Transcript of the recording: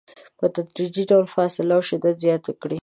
په تدریجي ډول فاصله او شدت زیات کړئ.